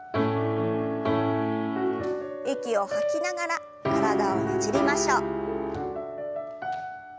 息を吐きながら体をねじりましょう。